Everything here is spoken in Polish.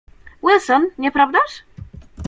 "Wilson, nie prawdaż?"